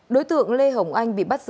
đối tượng lê hồng anh bị bắt giữ